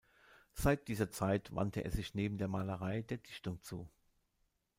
Seit dieser Zeit wandte er sich neben der Malerei der Dichtung zu.